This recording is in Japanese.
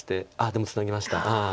でもツナぎました。